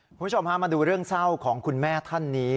คุณผู้ชมพามาดูเรื่องเศร้าของคุณแม่ท่านนี้